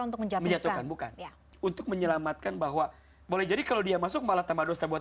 untuk menjatuhkan bukan ya untuk menyelamatkan bahwa boleh jadi kalau dia masuk malah tambah dosa buat